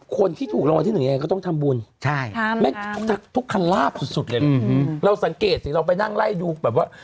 คนที่ถูกรางวัลที่หนึ่งยังไงก็ต้องทำบุญทุกคันลาบสุดเลยเราสังเกตสิเราไปนั่งไล่ดูแบบว่า